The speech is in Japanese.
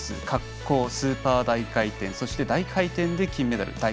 滑降、スーパー大回転そして大回転で金メダル。